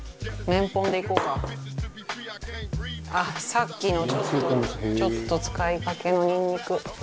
さっきのちょっとちょっと使いかけのにんにく。